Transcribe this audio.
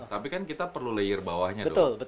tapi kan kita perlu layer bawahnya dong